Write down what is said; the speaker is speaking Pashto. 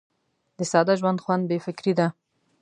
د ساده ژوند خوند بې فکري ده.